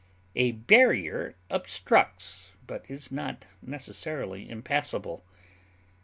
A barrier obstructs, but is not necessarily impassable.